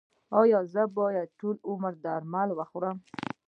ایا زه باید ټول عمر درمل وخورم؟